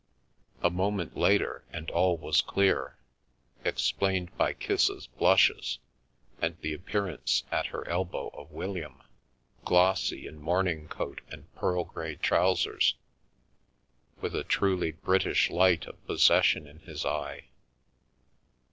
A moment later, and all was clear— explained by Kissa's blushes, and the appearance at her elbow of William, glossy in morning coat and pearl grey trousers, with a truly British light of possession in his eye.